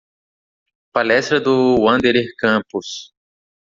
Palestra do Wanderer Campus